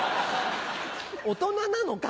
大人なのか？